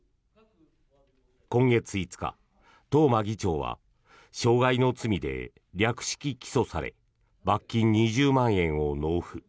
今月５日、東間議長は傷害の罪で略式起訴され罰金２０万円を納付。